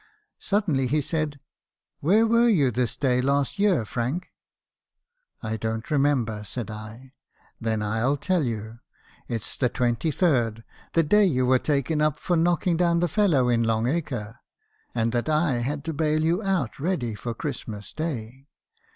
Suddenly he said, 'Where were you this day last year, Frank?' "■ I don't remember !' said I. " 'Then I '11 tell you. It's the 23rd — the day you were taken up for knocking down the fellow in Long acre, and that I had to bail you out ready for Christmas day.